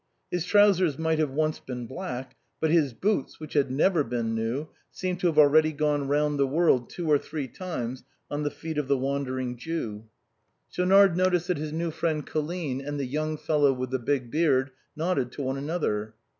His trousers might have once been black, but his boots, which had never been new, seemed to have already gone round the world two or three times on the feet of the Wandering Jew. Schaunard noticed that his new friend Colline and the young follow with the big beard nodded to one another.